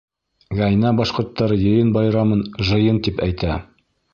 Гәйнә башҡорттары йыйын байрамын жыйын тип әйтә.